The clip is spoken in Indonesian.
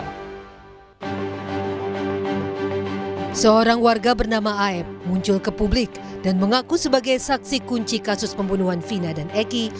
aep menawarkan perlindungan sebagai saksi kunci kasus pembunuhan fina dan eki